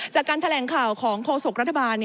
จากการแถลงข่าวของโฆษกรัฐบาล